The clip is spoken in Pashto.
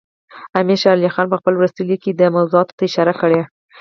امیر شېر علي خان په خپل وروستي لیک کې دې موضوعاتو ته اشاره کړې.